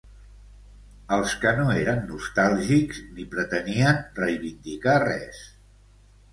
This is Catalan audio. Els que no eren nostàlgics ni pretenien reivindicar res.